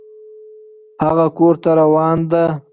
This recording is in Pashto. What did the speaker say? هغه کور ته روان ده